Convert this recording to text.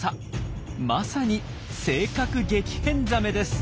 まさに「性格激変ザメ」です！